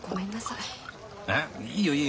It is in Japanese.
いいよいいよ。